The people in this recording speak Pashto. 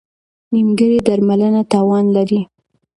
نیمګړې درملنه تاوان لري.